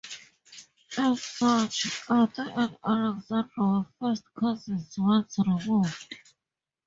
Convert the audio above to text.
As such, Arthur and Alexandra were first cousins once removed.